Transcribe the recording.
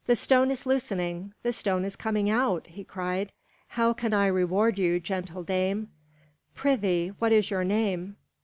"The stone is loosening, the stone is coming out!" he cried. "How can I reward you, gentle dame? Prithee, what is your name?"